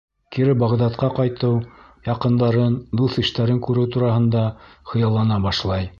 Кире Бағдадҡа ҡайтыу, яҡындарын, дуҫ-иштәрен күреү тураһында хыяллана башлай.